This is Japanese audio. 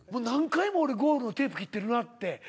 何回も俺ゴールのテープ切ってるなって。